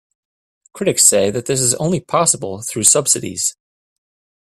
Critics say that this is only possible through subsidies.